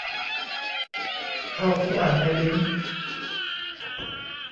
เท่าที่อ่านในลิงก์